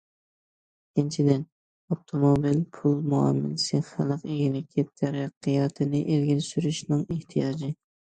ئىككىنچىدىن، ئاپتوموبىل پۇل مۇئامىلىسى خەلق ئىگىلىكى تەرەققىياتىنى ئىلگىرى سۈرۈشنىڭ ئېھتىياجى.